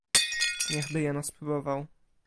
"niechby jeno spróbował!"